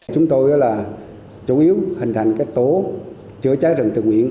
chúng tôi là chủ yếu hình thành các tố chữa cháy rừng tự nguyện